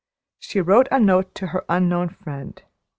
She wrote a note to her unknown friend.